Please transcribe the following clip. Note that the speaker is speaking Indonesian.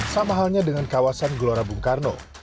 sama halnya dengan kawasan glora bung karno